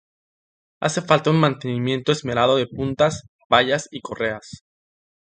Hace falta un mantenimiento esmerado de puntas, vallas y correas.